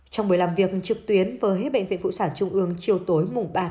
trong buổi làm việc trực tuyến với bệnh viện phụ sản trung ương chiều tối ba một mươi hai